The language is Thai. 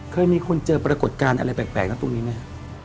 เคยมีคนเจอปรากฏการณ์อะไรแปลกนะตรงนี้ไหมครับ